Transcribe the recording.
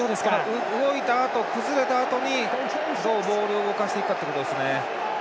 動いたあと、崩れたあとにどうボールを動かしていくかですね。